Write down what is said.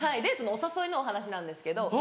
デートのお誘いのお話なんですけど。